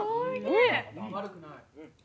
悪くない。